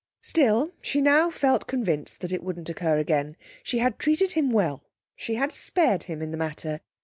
Still, she now felt convinced that it wouldn't occur again. She had treated him well; she had spared him in the matter.